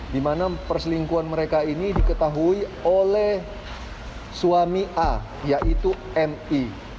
di mana perselingkuhan mereka ini diketahui oleh suami a yaitu mi